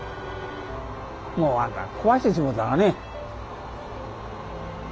もうあんた壊してしもうたらね。